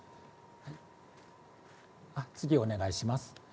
次、お願いします。